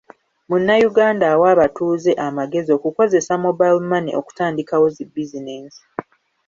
Munnayuganda awa abatuuze amagezi okukozesa mobile money okutandikawo zi bizinensi